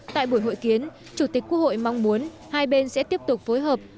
tại buổi hội kiến chủ tịch quốc hội mong muốn hai bên sẽ tiếp tục phối hợp